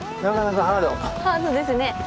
ハードですね。